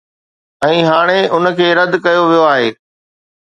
۽ هاڻي ان کي رد ڪيو ويو آهي.